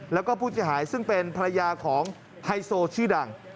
แล้วก็ผู้เสียหายซึ่งเป็นภรรยาของไฮโซชื่อดัง